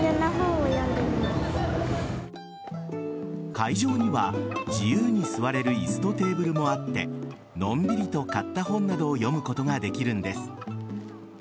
会場には、自由に座れる椅子とテーブルもあってのんびりと、買った本などを読むことができるんです。